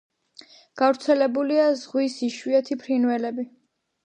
გავრცელებულია ზღვის იშვიათი ფრინველები.